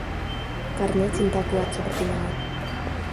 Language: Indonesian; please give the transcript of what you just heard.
Karena cinta kuat seperti maut.